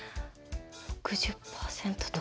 ６０％とか？